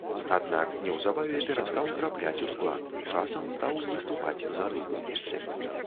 Аднак, неўзабаве перастаў трапляць у склад, часам стаў выступаць за дубль.